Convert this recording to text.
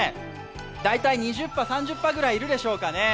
大体２０羽、３０羽くらいいるでしょうかね。